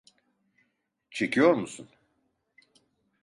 Çekiyor musun?